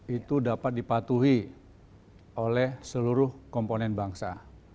itu dapat dipatuhi oleh seluruh komponen bangsa